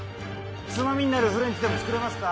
つまみになるフレンチでも作れますか？